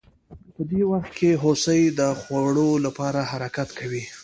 په دې وخت کې هوسۍ د خوړو لپاره حرکت کوي